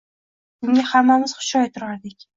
Bunga hammamiz hushyor turardik.